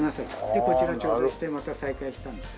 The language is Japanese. でこちら頂戴してまた再開したんです。